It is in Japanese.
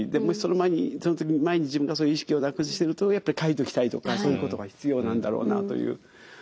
もしその前にその時前に自分がそういう意識をなくしてるとやっぱり書いておきたいとかそういうことが必要なんだろうなという。